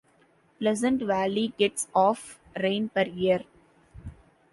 Pleasant Valley gets of rain per year.